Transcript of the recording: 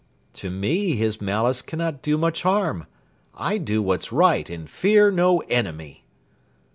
"To me his malice cannot do much harm. I do what's right, and fear no enemy."